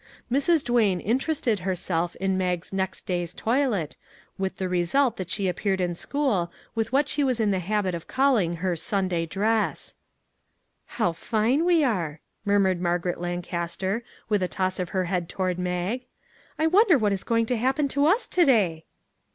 Mrs. Duane interested herself in Mag's next day's toilet, with the result that she appeared in 352 "THAT LITTLE MAG JESSUP" school with what she was in the habit of calling her " Sunday dress." " How fine we are !" murmured Margaret Lancaster, with a toss of her head toward Mag; " I wonder what is going to happen to us to day